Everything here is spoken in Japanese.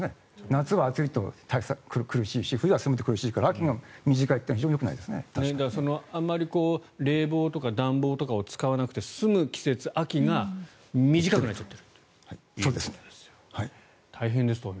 夏は暑いと苦しいし冬は寒くて苦しいからあまり冷房とか暖房とかを使わなくて済む季節、秋が短くなっちゃってるということですよね。